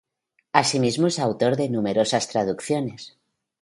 Asimismo es autor de numerosas traducciones.